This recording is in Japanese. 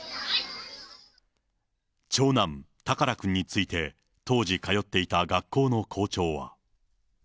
長男、たから君について、当時通っていた学校の校長は。